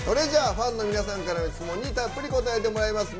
ファンの皆さんからの質問にたっぷり答えてもらいます。